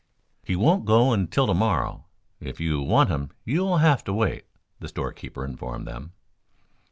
"He won't go until to morrow. If you want him you will have to wait," the store keeper informed them.